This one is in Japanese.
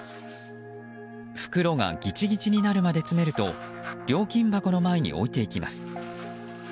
袋がギチギチになるまで詰めると料金箱の前に置いていきます。